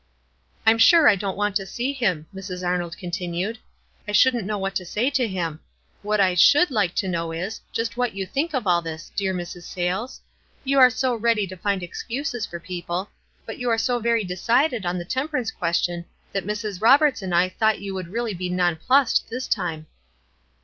"I'm sure I don't want to see him," Mrs. Ar nold continued. "1 shouldn't know what to say to him. What I should like to know is, just what you think of all this, dear Mrs. Sayles. "You are so ready to find excuses for people; but you are so very decided on the temperance question that Mrs. Roberts and I thought } 7 ou would really be nonplused this time."